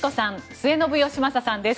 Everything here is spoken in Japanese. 末延吉正さんです。